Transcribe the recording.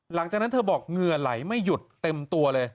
หลังจากนั้นเธอบอกเหงื่อไหลไม่หยุดเต็มตัวเลย